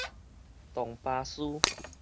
丼巴斯